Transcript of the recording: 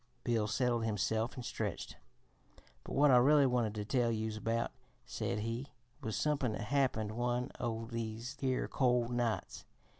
Bill settled himself and stretched. "But what I really wanted to tell youse about," said he, "was somepin' that happened one o' these here cold nights.